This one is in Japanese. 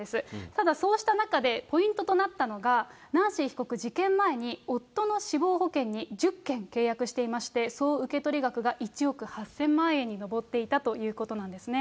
ただ、そうした中でポイントとなったのが、ナンシー被告、事件前に夫の死亡保険に１０件契約していまして、総受け取り額が１億８０００万円に上っていたということなんですね。